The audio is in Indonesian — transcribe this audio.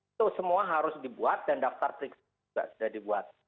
itu semua harus dibuat dan daftar periksa juga sudah dibuat